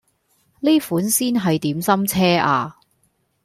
呢款先係點心車呀